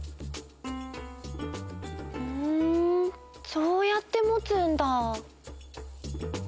ふんそうやってもつんだ。